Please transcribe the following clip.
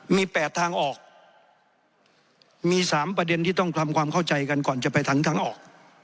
มี๘ทางออกมี๓ประเด็นที่ต้องทำความเข้าใจกันก่อนจะไปทางออก